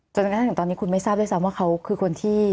จนกระทั่งถึงตอนนี้คุณไม่ทราบด้วยซ้ำว่าเขาคือคนที่